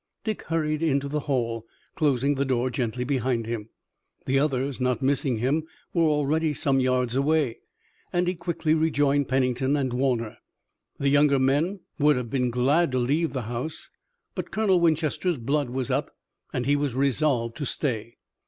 Dick hurried into the hall, closing the door gently behind him. The others, not missing him, were already some yards away, and he quickly rejoined Pennington and Warner. The younger men would have been glad to leave the house, but Colonel Winchester's blood was up, and he was resolved to stay.